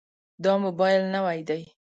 دا موبایل نوی دی.